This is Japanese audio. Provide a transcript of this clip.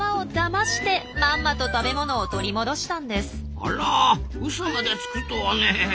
あらウソまでつくとはねえ。